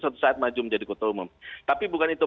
suatu saat maju menjadi kota umum tapi bukan itu